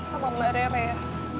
sama mbak rere ya